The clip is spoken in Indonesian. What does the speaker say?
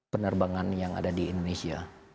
penerbangan yang ada di indonesia